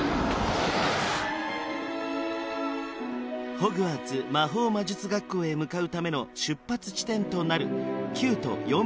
ホグワーツ魔法魔術学校へ向かうための出発地点となる９と３／４